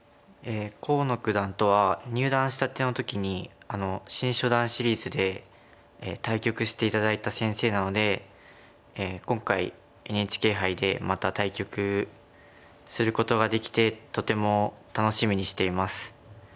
河野九段とは入段したての時に「新初段シリーズ」で対局して頂いた先生なので今回ＮＨＫ杯でまた対局することができてとても楽しみにしています。